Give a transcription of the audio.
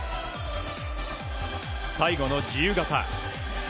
最後の自由形。